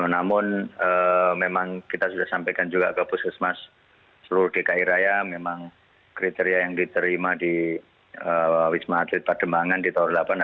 namun memang kita sudah sampaikan juga ke puskesmas seluruh dki raya memang kriteria yang diterima di wisma atlet pademangan di tower delapan adalah